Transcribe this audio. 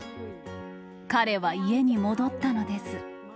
彼は家に戻ったのです。